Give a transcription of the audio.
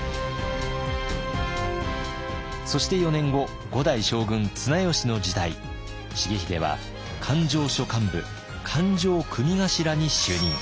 そして４年後五代将軍綱吉の時代重秀は勘定所幹部勘定組頭に就任。